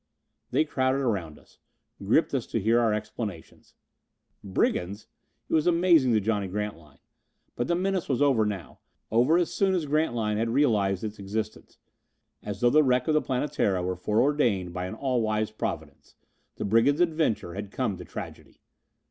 They crowded around us. Gripped us to hear our explanations. Brigands! It was amazing to Johnny Grantline. But the menace was over now, over as soon as Grantline had realized its existence. As though the wreck of the Planetara were foreordained by an all wise Providence, the brigands' adventure had come to tragedy.